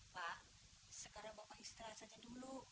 pak segera bapak istirahat saja dulu